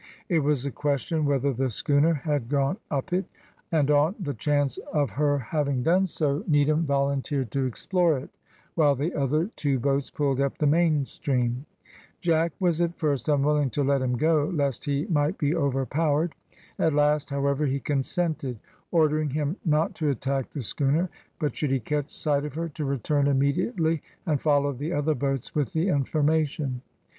It was a question whether the schooner had gone up it, and on the chance of her having done so, Needham volunteered to explore it, while the other two boats pulled up the main stream. Jack was at first unwilling to let him go, lest he might be overpowered. At last, however, he consented, ordering him not to attack the schooner, but should he catch sight of her to return immediately and follow the other boats with the information.